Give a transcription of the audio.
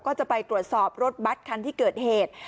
ก็จะไปตรวจสอบรถบัตรคันที่เกิดเหตุ